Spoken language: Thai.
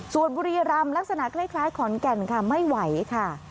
ส่วนบุรีรำลักษณะคล้ายขอนแก่นค่ะไม่ไหวค่ะ